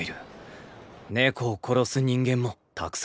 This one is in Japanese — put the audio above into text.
猫を殺す人間もたくさんいるんだ。